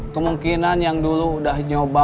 kemungkinan yang dulu udah nyoba